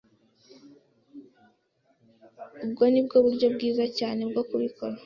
Ubu ni bwo buryo bwiza cyane bwo kubikora.